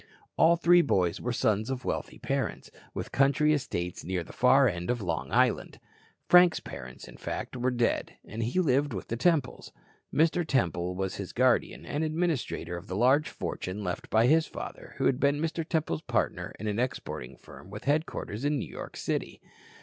All three boys were sons of wealthy parents, with country estates near the far end of Long Island. Frank's parents, in fact, were dead, and he lived with the Temples. Mr. Temple was his guardian and administrator of the large fortune left by his father, who had been Mr. Temple's partner in an exporting firm with headquarters in New York City.